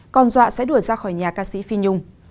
còn dọa sẽ đuổi ra khỏi nhà ca sĩ phi nhung